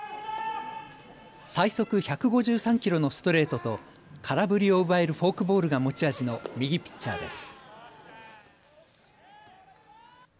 最速１５３キロのストレートと空振りを奪えるフォークボールが持ち味の右ピッチャーです。